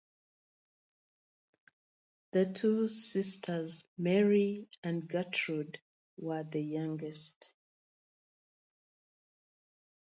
The two sisters Mary and Gertrude were the youngest.